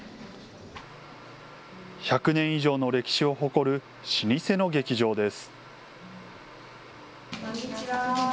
１００年以上の歴史を誇る老舗の劇場です。